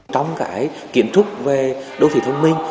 trong kiến trúc về đô thủy thông minh